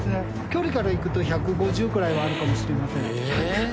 距離からいくと１５０くらいはあるかもしれません。